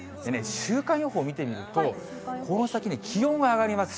週間予報見てみると、この先、気温は上がります。